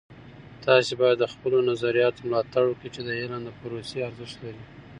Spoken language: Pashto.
تاسې باید د خپلو نظریاتو ملاتړ وکړئ چې د علم د پروسې ارزښت لري.